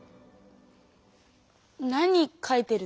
何書いてるの？